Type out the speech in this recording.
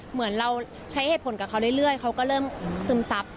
เหมือนเราใช้เหตุผลกับเขาเรื่อยเขาก็เริ่มซึมซับ